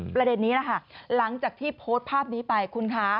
ประเด็นนี้แหละค่ะหลังจากที่โพสต์ภาพนี้ไปคุณคะ